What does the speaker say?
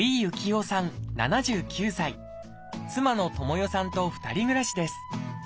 妻の智世さんと２人暮らしです。